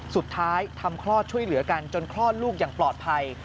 ทำคลอดช่วยเหลือกันจนคลอดลูกอย่างปลอดภัย